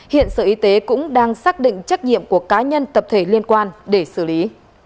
hiện sở y tế cũng đang xác định trách nhiệm của cá nhân tập thể liên quan để xử lý